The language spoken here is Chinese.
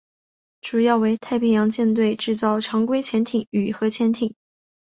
主要为太平洋舰队制造常规潜艇与核潜艇。